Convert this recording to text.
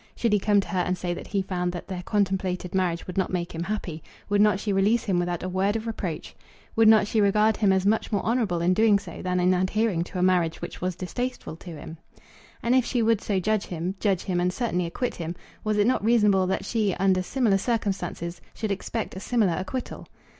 Should he come to her and say that he found that their contemplated marriage would not make him happy, would not she release him without a word of reproach? Would not she regard him as much more honourable in doing so than in adhering to a marriage which was distasteful to him? And if she would so judge him, judge him and certainly acquit him, was it not reasonable that she under similar circumstances should expect a similar acquittal?